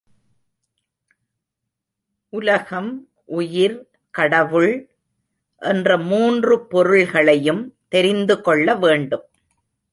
உலகம், உயிர், கடவுள் என்ற மூன்று பொருள்களையும் தெரிந்து கொள்ள வேண்டும்.